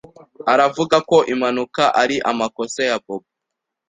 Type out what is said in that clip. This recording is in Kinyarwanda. Uravuga ko impanuka ari amakosa ya Bobo?